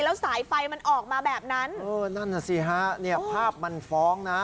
แล้วสายไฟมันออกมาแบบนั้นเออนั่นน่ะสิฮะเนี่ยภาพมันฟ้องนะ